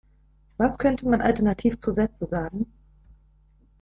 Was könnte man Alternativ zu Sätze sagen?